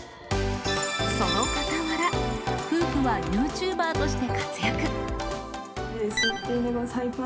そのかたわら、夫婦はユーチューバーとして活躍。